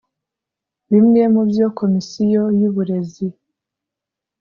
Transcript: Bimwe mu byo Komisiyo y’uburezi